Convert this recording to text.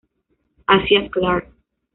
Asia" Clark.